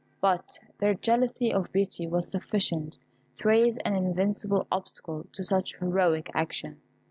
But their jealousy of Beauty was sufficient to raise an invincible obstacle to such heroic action.